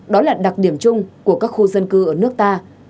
đó là đặc điểm chung của các khu dân cư ở nước ta